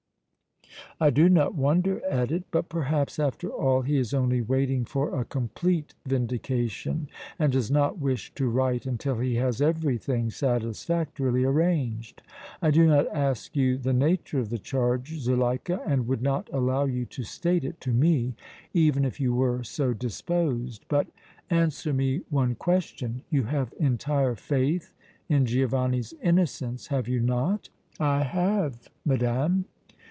"I do not wonder at it; but, perhaps, after all, he is only waiting for a complete vindication and does not wish to write until he has everything satisfactorily arranged. I do not ask you the nature of the charge, Zuleika, and would not allow you to state it to me even if you were so disposed. But answer me one question. You have entire faith in Giovanni's innocence, have you not?" "I have, madame."